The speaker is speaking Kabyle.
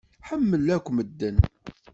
Ḥemmel akk medden.